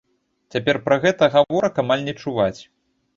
Цяпер пра гэта гаворак амаль не чуваць.